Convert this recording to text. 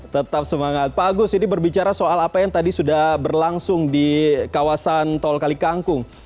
tetap semangat pak agus ini berbicara soal apa yang tadi sudah berlangsung di kawasan tol kali kangkung